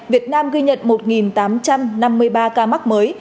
việt nam ghi nhận một tám trăm năm mươi ba ca mắc mới